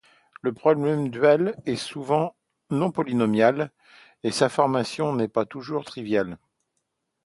Le problème dual est souvent non polynomial et sa formulation n'est pas toujours triviale.